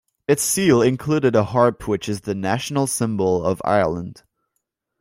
Its seal included a harp which is the national symbol of Ireland.